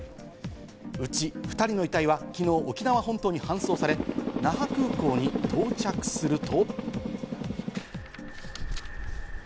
うち２人の遺体は昨日、沖縄本島に搬送され、那覇空港に到着すると。